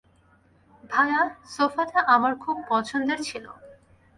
ভায়া, সোফাটা আমার খুব পছন্দের ছিল।